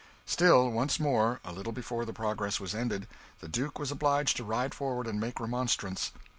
Still once more, a little before the progress was ended, the Duke was obliged to ride forward, and make remonstrance.